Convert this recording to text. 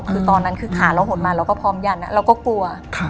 คือตอนนั้นคือขาเราหดมาเราก็พร้อมยันเราก็กลัว